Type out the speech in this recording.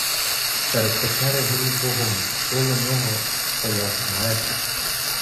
Серед печери горів вогонь, коло нього стояв глечик.